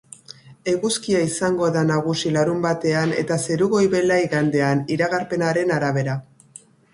Eguzkia izango da nagusi larunbatean eta zeru goibela igandean, iragarpenaren arabera.